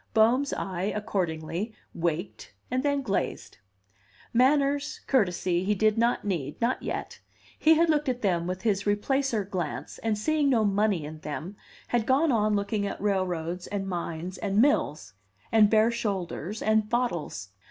Bohm's eye, accordingly, waked and then glazed. Manners, courtesy, he did not need, not yet; he had looked at them with his Replacer glance, and, seeing no money in them, had gone on looking at railroads, and mines, and mills, and bare shoulders, and bottles.